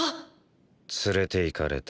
連れて行かれた。